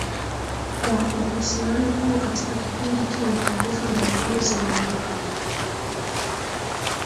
kwa uhusiano huo Katika kipindi kile taarifa mbalimbali ziliandikwa